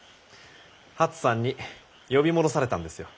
初さんに呼び戻されたんですよ。